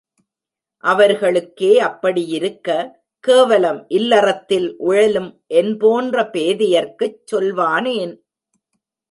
அவர்களுக்கே அப்படியிருக்க, கேவலம் இல்லறத்தில் உழலும் என்போன்ற பேதையர்க்குச் சொல்வானேன்!